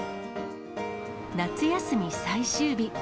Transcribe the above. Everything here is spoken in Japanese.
夏休み最終日。